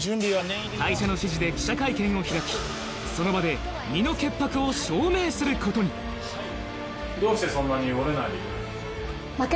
会社の指示で記者会見を開きその場で身の潔白を証明することにどうしてそんなに折れないでいられるの？